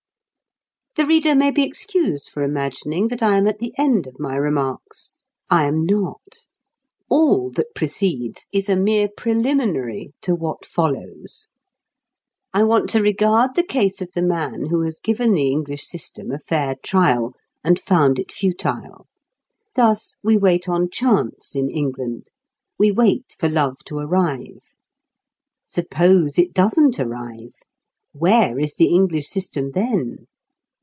The reader may be excused for imagining that I am at the end of my remarks. I am not. All that precedes is a mere preliminary to what follows. I want to regard the case of the man who has given the English system a fair trial and found it futile. Thus, we wait on chance in England. We wait for love to arrive. Suppose it doesn't arrive? Where is the English system then?